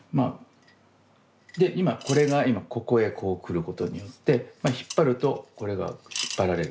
今これがここへこう来ることによって引っ張るとこれが引っ張られる。